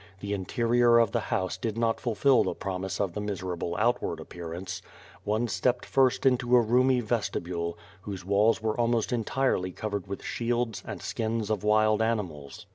The interior of the house did not fulfil the promise of the miserable outward appearance. One stepped first into a roomy vestibule, whose walls were almost entirely covered with shields and skins of wild animals.